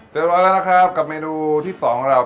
เจอร้อยแล้วกับเมนูที่๒ของเรา